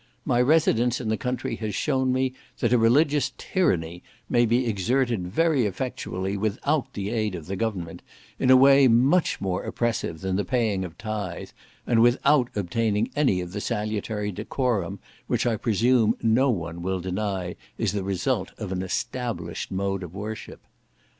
My residence in the country has shewn me that a religious tyranny may be exerted very effectually without the aid of the government, in a way much more oppressive than the paying of tithe, and without obtaining any of the salutary decorum, which I presume no one will deny is the result of an established mode of worship.